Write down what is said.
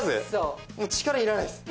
もう力いらないです。